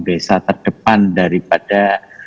desa terdepan daripada